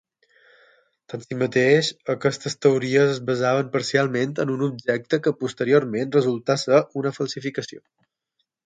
Tanmateix, aquestes teories es basaven parcialment en un objecte que posteriorment resultà ser una falsificació.